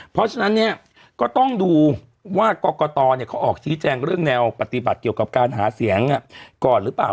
เพราะฉะนั้นเนี่ยก็ต้องดูว่ากรกตเขาออกชี้แจงเรื่องแนวปฏิบัติเกี่ยวกับการหาเสียงก่อนหรือเปล่า